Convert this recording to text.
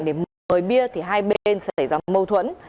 để mở bia thì hai bên xảy ra mâu thuẫn